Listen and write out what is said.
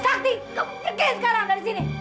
sati kamu pergi sekarang dari sini